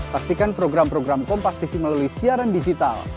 saksikan program program kompastv melalui siaran digital